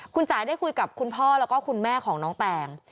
คุณจ่ายได้คุยกับคุณพ่อแล้วก็คุณแม่ของน้องแตง